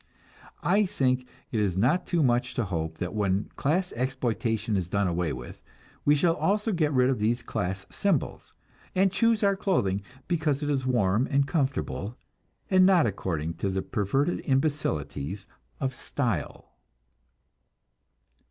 I think it is not too much to hope that when class exploitation is done away with, we shall also get rid of these class symbols, and choose our clothing because it is warm and comfortable, and not according to the perverted imbecilities of "style."